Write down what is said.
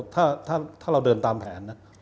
ถ้าเราเดินตามแผนนะ